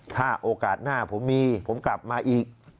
ถ้าโอกาสหน้าผมมีผมกลับมาอีก